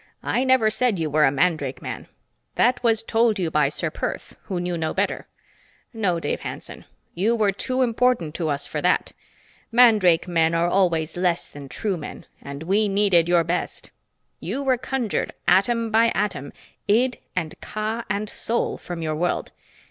"I never said you were a mandrake man. That was told you by Ser Perth who knew no better. No, Dave Hanson, you were too important to us for that. Mandrake men are always less than true men, and we needed your best. You were conjured atom by atom, id and ka and soul, from your world.